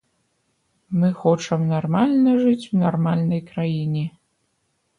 Мы хочам нармальна жыць у нармальнай краіне.